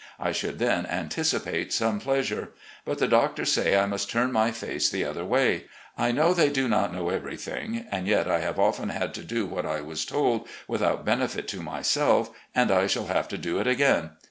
I should then anticipate some pleasure. But the doctors say I must turn my face the other way. I know they do not know eveiything, and yet I have often had to do what I was told, without benefit to myself, and I shall have to do it again.